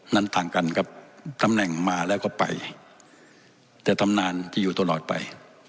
ต่างกันครับตำแหน่งมาแล้วก็ไปแต่ตำนานที่อยู่ตลอดไป